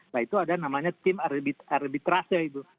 nah itu ada namanya tim arbitrase itu